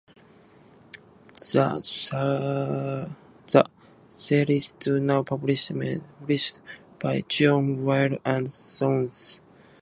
The series is now published by John Wiley and Sons.